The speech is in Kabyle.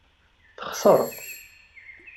Texṣer.